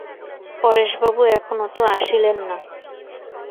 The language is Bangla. পরেশবাবু এখনো তো আসিলেন না।